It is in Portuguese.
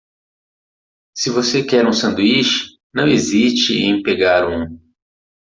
Se você quer um sanduíche, não hesite em pegar um.